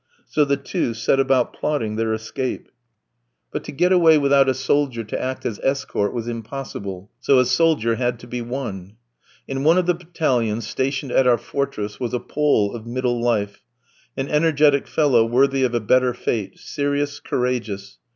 So the two set about plotting their escape. But to get away without a soldier to act as escort was impossible; so a soldier had to be won. In one of the battalions stationed at our fortress was a Pole of middle life an energetic fellow worthy of a better fate serious, courageous.